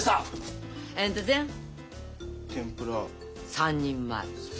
３人前。